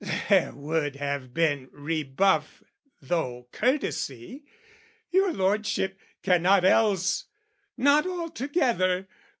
there would have been rebuff Though courtesy, your lordship cannot else "Not altogether!